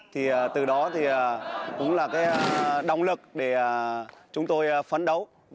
thì từ đó thì cũng là cái động lực để chúng tôi phấn đấu